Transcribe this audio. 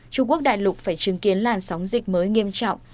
trung quốc đại lục phải chứng kiến làn sóng dịch mới nghiêm trọng